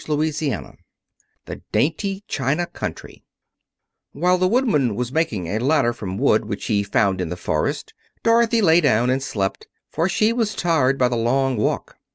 Chapter XX The Dainty China Country While the Woodman was making a ladder from wood which he found in the forest Dorothy lay down and slept, for she was tired by the long walk.